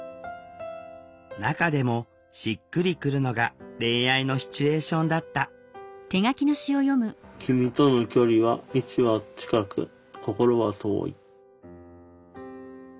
中でもしっくりくるのが恋愛のシチュエーションだった「君との距離は位置は近く心は遠い」。